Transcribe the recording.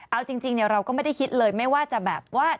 เอาจริงเราก็ไม่ได้คิดเลยไม่ว่าจะแบบว่า